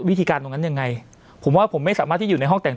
วิธีการตรงนั้นยังไงผมว่าผมไม่สามารถที่อยู่ในห้องแต่ง